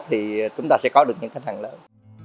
thì chúng ta sẽ có được những khách hàng lớn